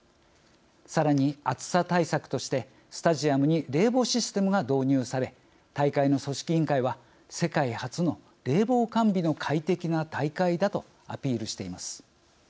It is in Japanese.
さらに、暑さ対策としてスタジアムに冷房システムが導入され大会の組織委員会は世界初の冷房完備の快適な大会だとアピールしています。